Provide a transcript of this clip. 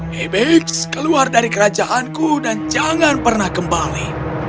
habibiks keluar dari kerajaanku dan jangan pernah kembali